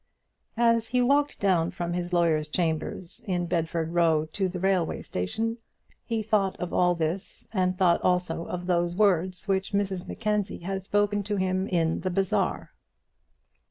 As he walked down from his lawyer's chambers in Bedford Row to the railway station he thought of all this, and thought also of those words which Mrs Mackenzie had spoken to him in the bazaar.